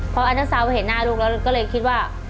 พออัณฑศาสตร์เห็นหน้าลูกแล้วก็เลยคิดว่า